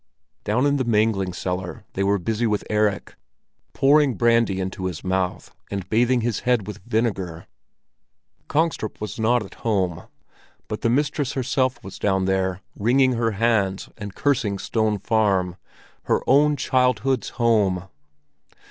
Down in the mangling cellar they were busy with Erik, pouring brandy into his mouth and bathing his head with vinegar. Kongstrup was not at home, but the mistress herself was down there, wringing her hands and cursing Stone Farm—her own childhood's home!